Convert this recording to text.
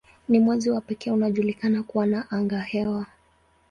Ni mwezi wa pekee unaojulikana kuwa na angahewa.